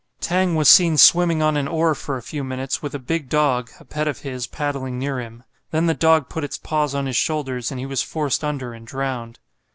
Tang was seen swimming on an oar for a few minutes, with a big dog a pet of his paddling near him. Then the dog put its paws on his shoulders, and he was forced under and drowned.